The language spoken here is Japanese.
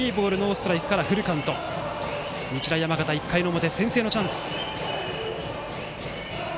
日大山形、１回の表先制のチャンス。